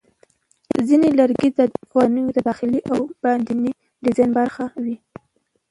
ځینې لرګي د ودانیو د داخلي او باندني ډیزاین برخه وي.